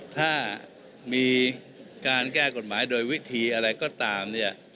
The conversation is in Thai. ถ้ามีการแก้กฎหมายโดยวิธีอะไรก็ตามเนี่ย